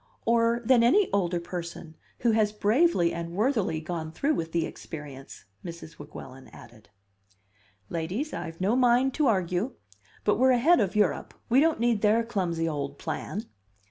"Or than any older person who has bravely and worthily gone through with the experience," Mrs. Weguelin added. "Ladies, I've no mind to argue. But we're ahead of Europe; we don't need their clumsy old plan."